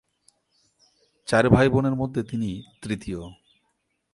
চার ভাই বোনের মধ্যে তিনি তৃতীয়।